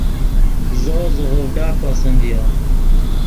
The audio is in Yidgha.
زو زیغوڤڈا کوسیم ڤیو